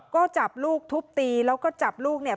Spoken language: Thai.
ก็จับลูกทุบตีแล้วก็จับลูกเนี่ย